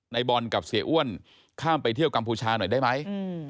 ในบอลกับเสียอ้วนข้ามไปเที่ยวกัมพูชาหน่อยได้ไหม